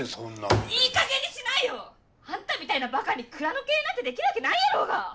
いいかげんにしないよ！あんたみたいなバカに蔵の経営なんてできるわけないやろうが！